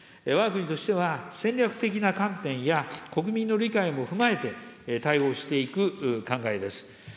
わが国としては、戦略的な観点や、国民の理解も踏まえて対応していく考えです。